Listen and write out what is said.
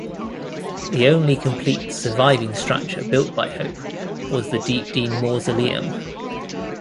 The only complete surviving structure built by Hope was the Deepdene mausoleum.